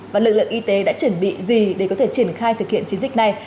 và lực lượng y tế đã chuẩn bị gì để có thể triển khai thực hiện chiến dịch này